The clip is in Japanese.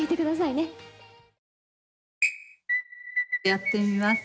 やってみます